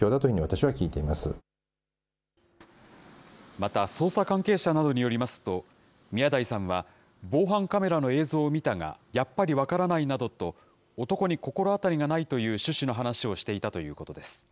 また、捜査関係者などによりますと、宮台さんは、防犯カメラの映像を見たが、やっぱり分からないなどと、男に心当たりがないという趣旨の話をしていたということです。